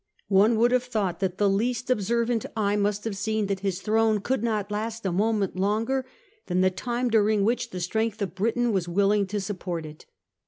One would have thought that the least observant eye must have seen that his throne could not last a moment longer than the time during which the strength of Britain was willing to support it.